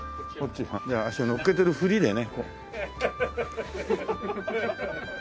じゃあ足をのっけてるふりでね。